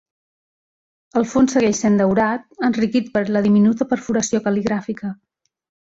El fons segueix sent daurat, enriquit per la diminuta perforació cal·ligràfica.